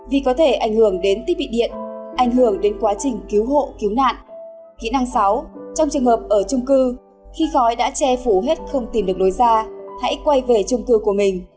kỹ năng sáu trong trường hợp ở chung cư khi khói đã che phủ hết không tìm được đối ra hãy quay về chung cư của mình